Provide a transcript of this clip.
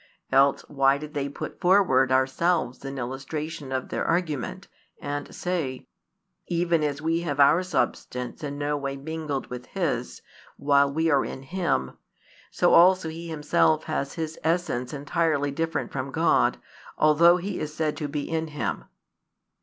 Else why do they put forward ourselves in illustration of their argument, and say: "Even as we have our substance in no way mingled with His, while we are in Him; so also He Himself has His essence entirely different from God, although He is said to be in Him